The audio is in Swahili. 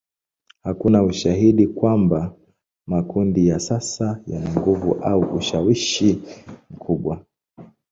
Hakuna ushahidi kwamba makundi ya sasa yana nguvu au ushawishi mkubwa.